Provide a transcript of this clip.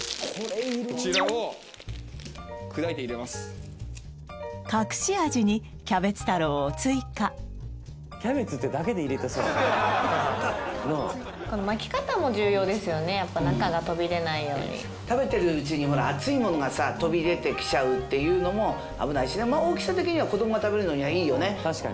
こちらを砕いて入れます隠し味にキャベツ太郎を追加やっぱ中が飛び出ないように食べてるうちにほら熱いものがさ飛び出てきちゃうっていうのも危ないしねまあ大きさ的には子供が食べるのにはいいよね